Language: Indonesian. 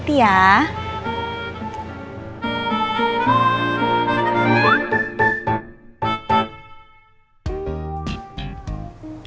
sampai jumpa lagi